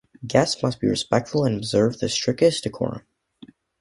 Guests must be respectful and observe the strictest decorum.